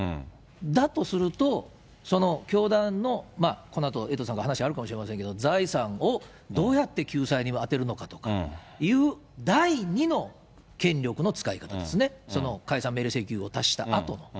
だとすると、教団の、このあとエイトさんから話があるかもしれませんけれども、財産をどうやって救済に充てるのかとかという、第２の権力の使い方ですね、その解散命令請求を出したあとの。